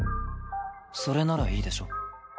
それならいいでしょ？